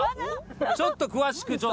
ちょっと詳しく。